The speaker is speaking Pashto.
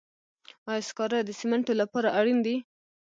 آیا سکاره د سمنټو لپاره اړین دي؟